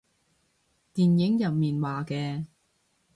電影入面話嘅